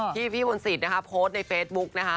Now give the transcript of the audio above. ที่พี่มนตสิตโพสต์ในเฟซบุ็คนะคะ